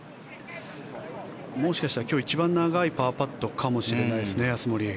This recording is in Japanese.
もしかしたら今日一番長いパーパットかもしれないですね安森。